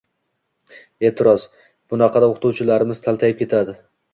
E’tiroz: «Bunaqada o‘qituvchilarimiz taltayib ketadi